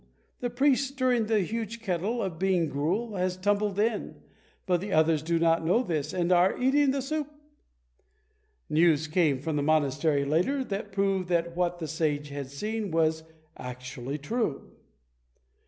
The priest stirring the huge kettle of bean gruel has tumbled in, but the others do not know this, and are eating the soup." News came from the monastery later on that proved that what the sage had seen was actually true.